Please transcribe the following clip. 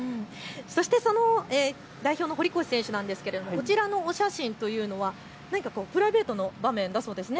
その代表の堀越選手ですがこちらのお写真というのは何かプライベートの場面ですよね。